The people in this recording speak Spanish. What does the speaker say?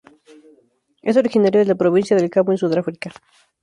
Es originario de la Provincia del Cabo en Sudáfrica.